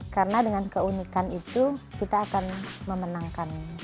karena dengan keunikan itu kita akan memenangkan dirimu